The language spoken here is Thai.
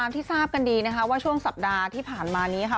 ที่ทราบกันดีนะคะว่าช่วงสัปดาห์ที่ผ่านมานี้ค่ะ